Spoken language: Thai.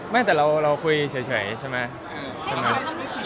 ไม่แต่เราคุยเฉยใช่ไหม